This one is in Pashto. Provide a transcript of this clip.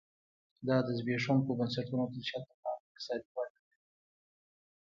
دا د زبېښونکو بنسټونو تر چتر لاندې اقتصادي وده ده